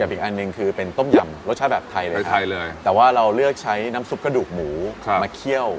อีกอันหนึ่งคือเป็นต้มยำรสชาติแบบไทยเลยแต่ว่าเราเลือกใช้น้ำซุปกระดูกหมูมาเคี่ยว